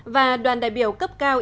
và đoàn đại biểu cấp cao